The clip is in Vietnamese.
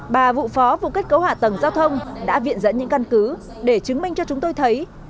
bà vụ phó vụ kết cấu hạ tầng giao thông đã viện dẫn những căn cứ để chứng minh cho chúng tôi thấy